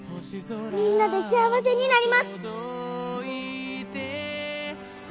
みんなで幸せになります！